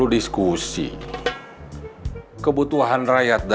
diskusi mengenai apa